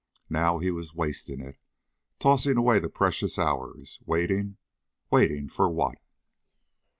Now he was wasting it, tossing away the precious hours. Waiting. Waiting for what?